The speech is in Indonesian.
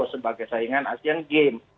sebagai saingan asian game